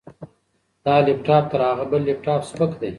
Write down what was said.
دا لپټاپ تر هغه بل لپټاپ سپک دی.